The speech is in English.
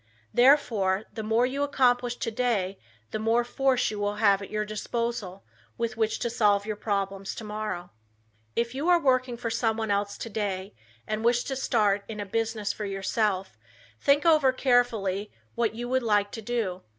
Therefore the more you accomplish today the more force you will have at your disposal with which to solve your problems tomorrow. If you are working for someone else today and wish to start in a business for yourself, think over carefully what you would like to do.